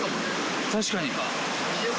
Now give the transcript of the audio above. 確かに。